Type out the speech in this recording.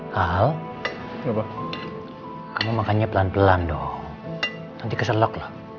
hal hal kamu makannya pelan pelan dong nanti keselak